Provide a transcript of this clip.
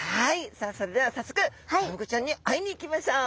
さあそれでは早速クサフグちゃんに会いに行きましょう！